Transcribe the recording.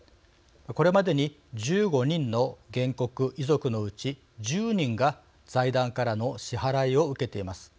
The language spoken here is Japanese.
これまでに１５人の原告遺族のうち１０人が財団からの支払いを受けています。